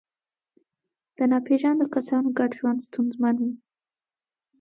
د ناپېژاندو کسانو ګډ ژوند ستونزمن و.